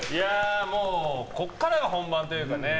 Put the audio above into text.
もうここからが本番というかね。